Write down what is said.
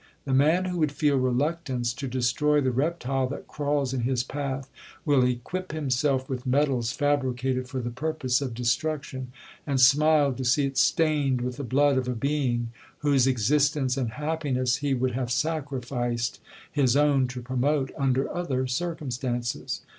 The man who would feel reluctance to destroy the reptile that crawls in his path, will equip himself with metals fabricated for the purpose of destruction, and smile to see it stained with the blood of a being, whose existence and happiness he would have sacrificed his own to promote, under other circumstances.